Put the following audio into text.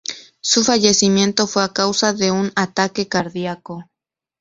Su fallecimiento fue a causa de un ataque cardiaco.